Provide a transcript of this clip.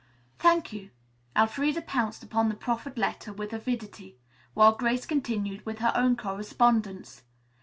"Thank you." Elfreda pounced upon the proffered letter with avidity, while Grace continued with her own correspondence.